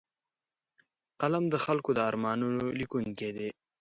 قلم د خلکو د ارمانونو لیکونکی دی